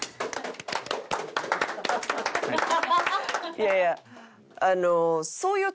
いやいやあの。